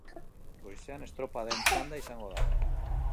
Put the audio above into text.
Goizean, estropaden txanda izango da.